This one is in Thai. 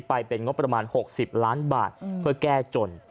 ไปเป็นงบประมาณ๖๐ล้านบาทเพื่อแก้จน